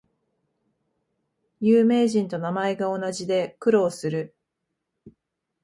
有名人と名前が同じで苦労する